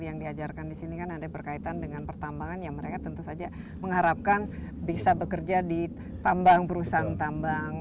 yang diajarkan di sini kan ada berkaitan dengan pertambangan yang mereka tentu saja mengharapkan bisa bekerja di tambang perusahaan tambang